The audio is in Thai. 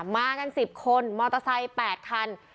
มากันสิบคนมอเตอร์ไซค์แปดคัน